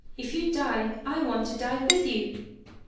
If you die, I want to die with you